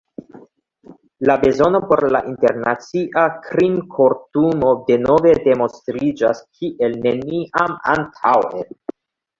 La bezono por la Internacia Krimkortumo denove demonstriĝas kiel neniam antaŭe.